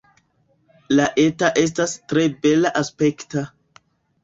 La eta estas tre bela-aspekta.